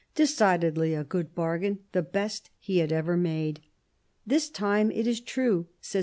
Decidedly a good bargain ; the best he |had ever made. " This time, it is true," says M.